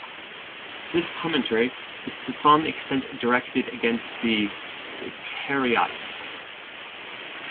This commentary is to some extent directed against the Karaites.